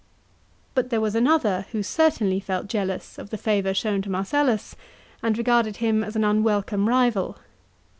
But there was another who certainly felt jealous of the favour shown to Marcellus, and regarded him as an unwelcome rival.